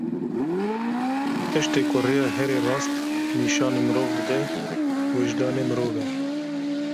Tiştê ku rêya herî rast nîşanî mirov dide, wijdanê mirov e.